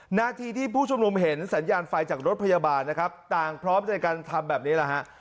หน้าที่ที่ผู้ชุมนุมเห็นสัญญาณไฟจากรถพยาบาลนะครับต่างพร้อมใจกันทำแบบนี้แหละฮะ